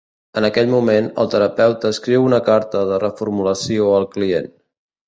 En aquell moment, el terapeuta escriu una carta de reformulació al client.